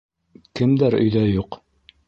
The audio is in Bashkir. — Кемдәр өйҙә юҡ?